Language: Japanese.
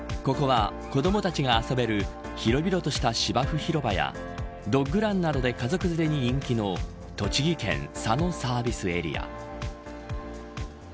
ここは子どもたちが遊べる広々とした芝生広場やドッグランなどで家族連れに人気の栃木県佐野サービスエリア。